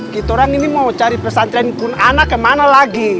kita ini mau cari pesantren kun anak kemana lagi